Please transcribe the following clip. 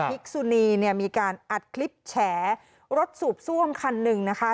กษุนีเนี่ยมีการอัดคลิปแฉรถสูบซ่วมคันหนึ่งนะคะ